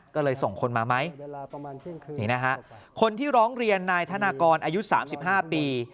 ก็เลยส่งคนมาไหมนี่นะฮะคนที่ร้องเรียนนายธนากรอายุ๓๕ปี